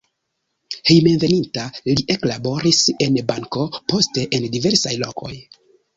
Hejmenveninta li eklaboris en banko, poste en diversaj lokoj.